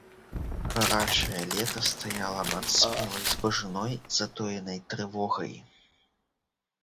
Гарачае лета стаяла над спелай збажыной затоенай трывогай.